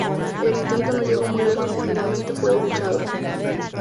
El intento no llegó muy lejos y finalmente fue desechado.